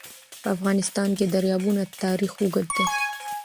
په افغانستان کې د دریابونه تاریخ اوږد دی.